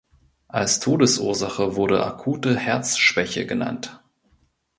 Als Todesursache wurde „akute Herzschwäche“ genannt.